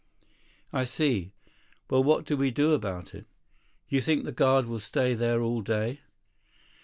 "I see. Well, what do we do about it? You think the guard will stay there all day?"